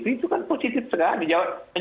itu kan positif sekali